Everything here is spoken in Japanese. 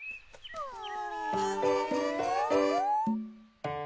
うん？